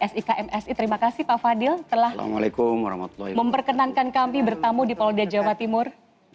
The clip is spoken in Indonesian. sikmsi terima kasih pak fadil telah memperkenankan kami bertamu di polda jawa timur